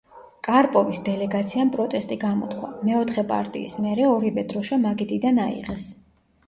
კარპოვის დელეგაციამ პროტესტი გამოთქვა; მეოთხე პარტიის მერე, ორივე დროშა მაგიდიდან აიღეს.